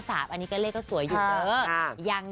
๓๐๘๕๓อันนี้เลขก็สวยอยู่